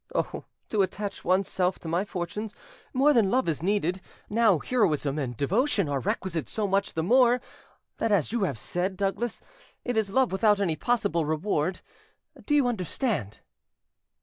Oh to attach one's self to my fortunes more than love is needed now heroism and devotion are requisite so much the more that, as you have said, Douglas, it is love without any possible reward. Do you understand?"